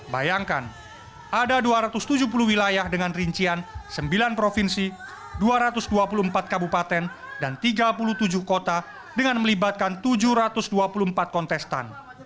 bayangkan ada dua ratus tujuh puluh wilayah dengan rincian sembilan provinsi dua ratus dua puluh empat kabupaten dan tiga puluh tujuh kota dengan melibatkan tujuh ratus dua puluh empat kontestan